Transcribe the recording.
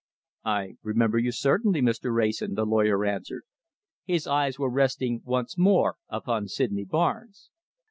"I remember you certainly, Mr. Wrayson," the lawyer answered. His eyes were resting once more upon Sydney Barnes.